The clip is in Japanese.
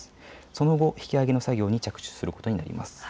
その後、引き揚げの作業に着手することになります。